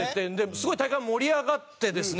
すごい大会も盛り上がってですね